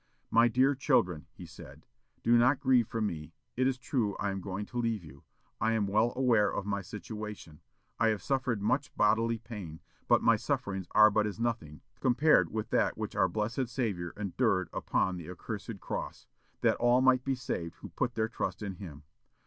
"My dear children," he said, "do not grieve for me; it is true I am going to leave you; I am well aware of my situation. I have suffered much bodily pain, but my sufferings are but as nothing compared with that which our blessed Saviour endured upon that accursed cross, that all might be saved who put their trust in him....